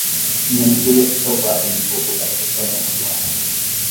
Minha amiga ia se casar e me pediu para ser sua dama de honra.